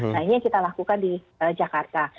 nah ini yang kita lakukan di jakarta